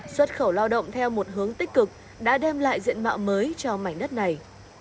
xuất khẩu lao động theo một hướng tích cực đã đem lại diện mạo mới cho mảnh đất này